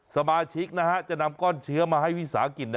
สมาชิกจะนำก้อนเชื้อมาให้วิสาหกิจ